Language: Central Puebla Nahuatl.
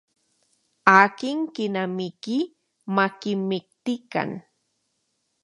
Akin kinamiki makimiktikan.